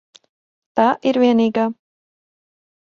Tā ir vienīgā.